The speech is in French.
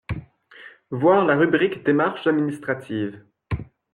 Voir la rubrique démarches administratives.